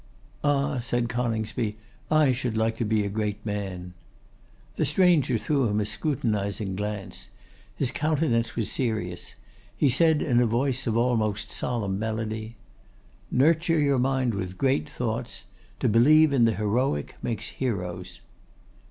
'Ah!' said Coningsby, 'I should like to be a great man.' The stranger threw at him a scrutinising glance. His countenance was serious. He said in a voice of almost solemn melody: 'Nurture your mind with great thoughts. To believe in the heroic makes heroes.